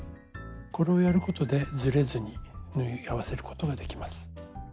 これをやることでずれずに縫い合わせることができます。